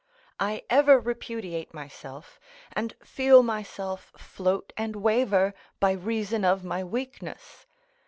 I ever repudiate myself, and feel myself float and waver by reason of my weakness.